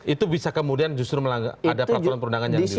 itu bisa kemudian justru ada peraturan perundangan yang dilakukan